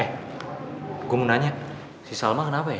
eh gue mau nanya si salma kenapa ya